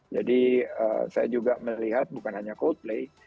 jadi saya juga melihat bukan hanya coldplay